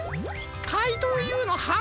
かいとうＵのはん